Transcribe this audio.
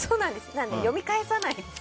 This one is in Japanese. なので読み返さないです。